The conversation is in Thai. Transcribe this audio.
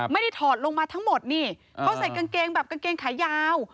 ถอดลงมาทั้งหมดนี่เขาใส่กางเกงแบบกางเกงขายาว